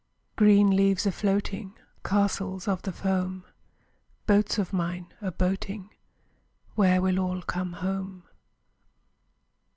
Green leaves a floating, Castles of the foam, Boats of mine a boating— Where will all come home?